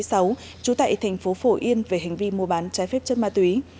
trú tại thành phố phổ yên về hành vi mua bán trái phép chất ma túy